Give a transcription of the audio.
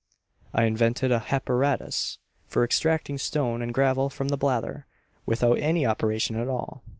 I invented a happaratus for extracting stone and gravel from the blather, without any operation at all.